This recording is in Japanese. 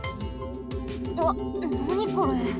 うわっなにこれ？